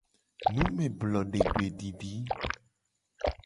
Numeblodegbedidi.